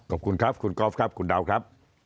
ขอบคุณครับคุณกอล์ฟครับคุณดาวครับ